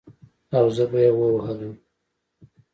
او زه به يې ووهلم.